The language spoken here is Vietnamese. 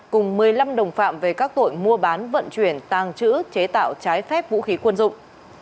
cùng một mươi năm đồng phạm về các tội mua bán vận chuyển tàng trữ chế tạo trái phép vũ khí quân dụng